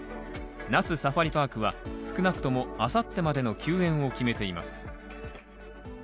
那須サファリパークは、少なくとも明後日までの休園を決めています。